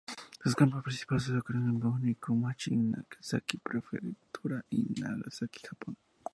Su campus principal se localiza en Bunkyo-machi, Nagasaki, Prefectura de Nagasaki, Japón.